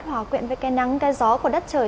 hòa quyện với cây nắng cây gió của đất trời